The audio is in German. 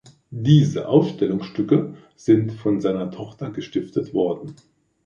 Diese Ausstellungsstücke sind von seiner Tochter gestiftet worden.